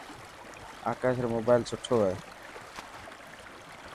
آڪاش رو موبائل سٺو هي.